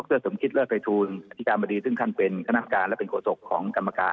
ดรสมศิษย์เลอดไปทูลอธิการบริษัทซึ่งขั้นเป็นคณะการและเป็นโขสกของกรรมการ